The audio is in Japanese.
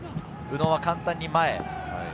宇野は簡単に前へ。